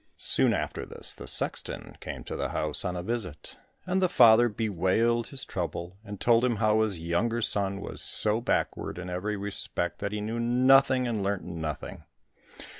Soon after this the sexton came to the house on a visit, and the father bewailed his trouble, and told him how his younger son was so backward in every respect that he knew nothing and learnt nothing.